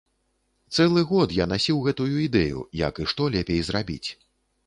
Цэлы год я насіў гэтую ідэю, як і што лепей зрабіць.